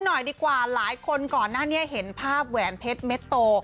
หน่อยดีกว่าหลายคนก่อนหน้านี้เห็นภาพแหวนเพชรเม็ดโต